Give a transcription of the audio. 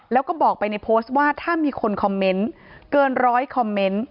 แล้วก็บอกไปในโพสต์ว่าถ้ามีคนคอมเมนต์เกินร้อยคอมเมนต์